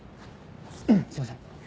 すいません。